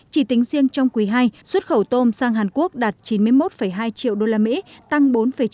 chỉ tính riêng trong quý ii xuất khẩu tôm sang hàn quốc đạt chín mươi một hai triệu usd tăng bốn chín